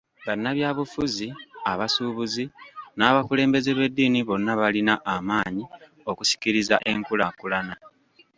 Bannabyabufuzi ,abasuubuzi n'abakulembeze b'eddiini bonna balina amaanyi okusikiriza enkulaakulana .